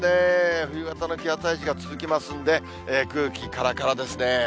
冬型の気圧配置が続きますんで、空気、からからですね。